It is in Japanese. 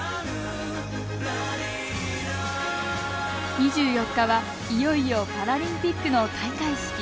２４日は、いよいよパラリンピックの開会式。